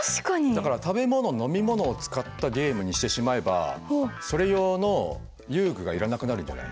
だから食べ物飲み物を使ったゲームにしてしまえばそれ用の遊具がいらなくなるんじゃない？